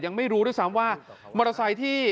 ไม่รู้ด้วยซ้ำว่ามอเตอร์ไซค์ที่